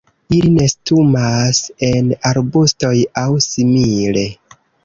Ili nestumas en arbustoj aŭ simile.